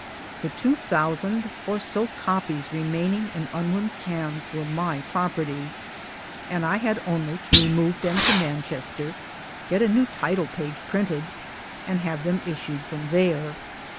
The two thousand or so copies remaining in Unwin's hands were my property, and I had only to remove them to Manchester, get a new title page printed, and have them issued from there.